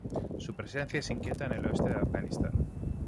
Su presencia es incierta en el oeste de Afganistán.